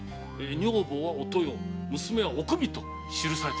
女房は“お豊”娘は“おくみ”と記されてございます。